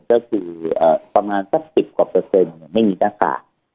ก็คืออ่าประมาณสักสิบกว่าเปอร์เซ็นต์เนี้ยไม่มีหน้ากาก